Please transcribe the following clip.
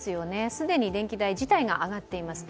既に電気代自体が上がっています。